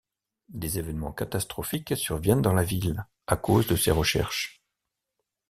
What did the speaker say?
Des évènements catastrophiques surviennent dans la ville à cause de ses recherches...